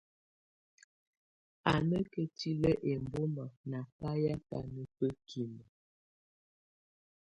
Á nà ketilǝ́ ɛmbɔma nà bayɛ̀á banà bǝ́kimǝ.